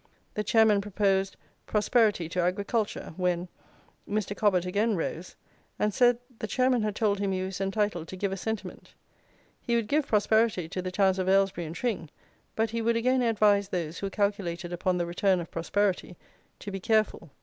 "The Chairman proposed 'Prosperity to Agriculture,' when "Mr. Cobbett again rose, and said the Chairman had told him he was entitled to give a sentiment. He would give prosperity to the towns of Aylesbury and Tring; but he would again advise those who calculated upon the return of prosperity, to be careful.